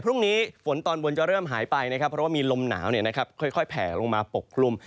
พรุ่งนี้ฝนตอนบนจะเริ่มหายไปนะครับเพราะว่ามีลมหนาวค่อยแผลลงมาปกคลุม